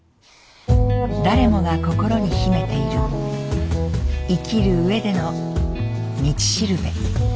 誰もが心に秘めている生きる上での道しるべ。